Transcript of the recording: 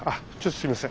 すいません。